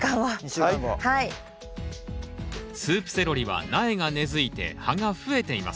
スープセロリは苗が根づいて葉が増えています。